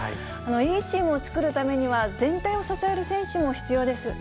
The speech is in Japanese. いいチームを作るためには、全体を支える選手も必要です。